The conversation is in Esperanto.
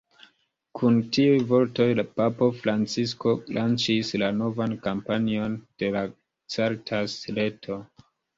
Kun tiuj vortoj papo Francisko, lanĉis la novan kampanjon de la Caritas-reto.